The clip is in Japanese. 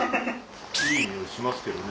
いい匂いしますけどね。